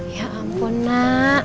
ya ampun nak